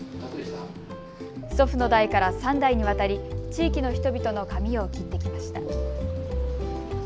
祖父の代から３代にわたり地域の人々の髪を切ってきました。